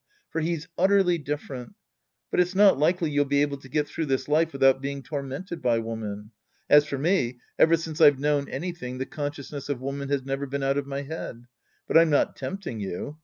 For he's utterly different. Eut it's not likely you'll be able to get through this life wi ^iiout being tormented by woman. As for me, ever since I've known anything, the consciousness of woman has never been out of my head. But I'm not tempting you.